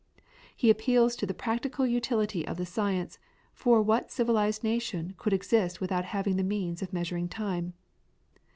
He appeals to the practical utility of the science, for what civilised nation could exist without having the means of measuring time?